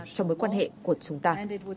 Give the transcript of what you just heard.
trong mối quan hệ của chúng ta